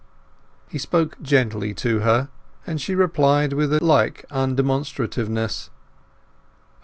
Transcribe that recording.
He spoke gently to her, and she replied with a like undemonstrativeness.